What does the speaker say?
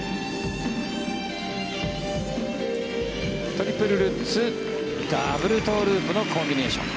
トリプルルッツダブルトウループのコンビネーション。